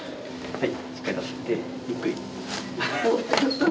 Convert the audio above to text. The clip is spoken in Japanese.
はい。